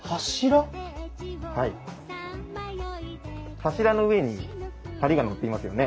柱の上に梁が載っていますよね？